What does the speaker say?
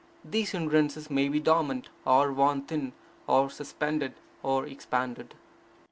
These hindrances may be dormant, or worn thin, or suspended, or expanded.